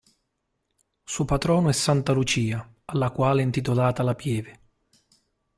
Suo patrono è Santa Lucia, alla quale è intitolata la pieve.